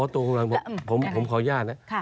ตรงนั้นผมขออนุญาตนะ